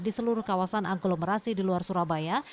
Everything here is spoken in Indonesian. di seluruh kawasan aglomerasi di luar surabaya